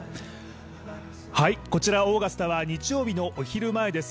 こちらオーガスタは日曜日のお昼前です。